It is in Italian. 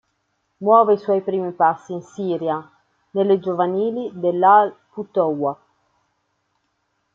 Muove i suoi primi passi in Siria, nelle giovanili dell'Al-Futowa.